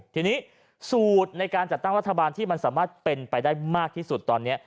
ทีนี้สูตรในการจัดตั้งรัฐบาลที่มันสามารถเป็นไปได้มากที่สุดตอนนี้